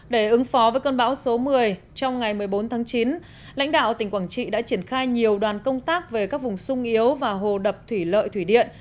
để ứng phó với cơn bão số một mươi trong ngày một mươi bốn tháng chín lãnh đạo tỉnh quảng trị đã triển khai nhiều đoàn công tác về các vùng sung yếu và hồ đập thủy lợi thủy điện